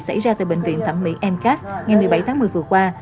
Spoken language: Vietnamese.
xảy ra tại bệnh viện thẩm mỹ mcas ngày một mươi bảy tháng một mươi vừa qua